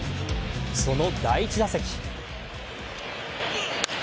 その第１打席。